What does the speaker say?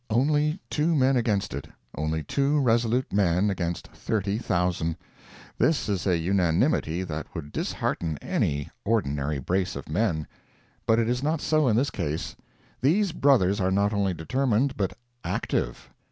Only two men against it. Only two resolute men against 30,000. This is a unanimity that would dishearten any ordinary brace of men. But it is not so in this case. These brothers are not only determined but "active."